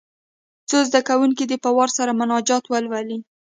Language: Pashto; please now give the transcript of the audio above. څو زده کوونکي دې په وار سره مناجات ولولي.